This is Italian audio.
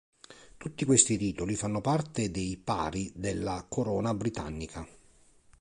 Tutti questi titoli fanno parte dei Pari della corona britannica.